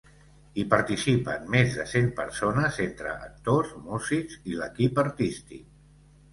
Hi participen més de cent persones entre actors, músics i l’equip artístic.